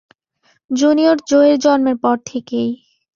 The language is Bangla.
জুনিয়র জো এর জন্মের পর থেকেই।